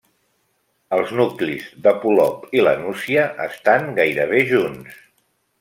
Els nuclis de Polop i La Nucia estan gairebé junts.